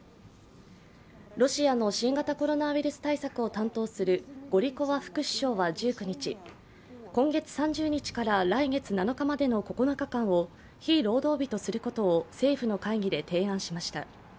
ロシアの新型コロナウイルス対策を担当するゴリコワ副首相は１９日、今月３０日から来月７日までの９日間を非労働日とすることを政府の会議で提案しました。